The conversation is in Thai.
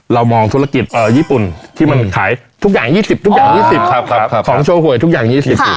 เรามองธุรกิจญี่ปุ่นที่มันขายทุกอย่าง๒๐ของโชว์หวยทุกอย่าง๒๐